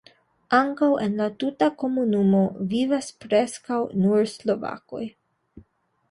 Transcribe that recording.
Ankaŭ en la tuta komunumo vivas preskaŭ nur slovakoj.